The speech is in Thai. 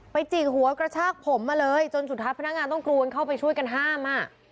จิกหัวกระชากผมมาเลยจนสุดท้ายพนักงานต้องกรูนเข้าไปช่วยกันห้ามอ่ะ